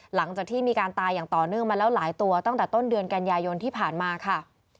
หลังจากที่มีการตายอย่างต่อเนื่องมาแล้วหลายตัวตั้งแต่ต้นเดือนกันยายนที่ผ่านมาค่ะ